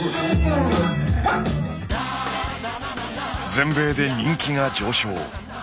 全米で人気が上昇。